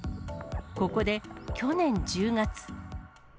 ここで去年１０月。